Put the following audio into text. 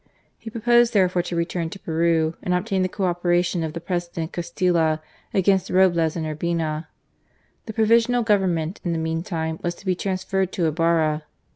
He proposed therefore to return to Peru and obtain the co opera tion of the President Castilla against Roblez and Urbina. The Provisional Government in the mean time was to be transferred to Ibarra.